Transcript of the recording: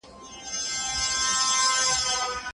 زه اوسمهال خپله پوهه او علم نورو خلګو ته ورکوم.